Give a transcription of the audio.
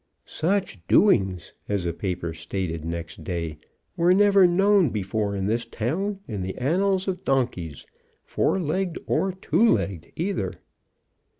"Such doings," as a paper stated next day, "were never known before in this town in the annals of donkeys four legged or two legged either."